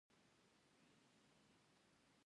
د وربشو کښت له غنمو سره کیږي.